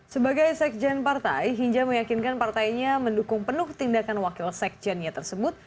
sebagai sekjen partai hinja meyakinkan partainya mendukung penuh tindakan wakil sekjennya tersebut